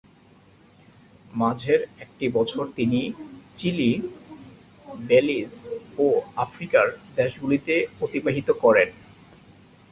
মাঝের একটি বছর তিনি চিলি, বেলিজ ও আফ্রিকার দেশগুলিতে অতিবাহিত করেন।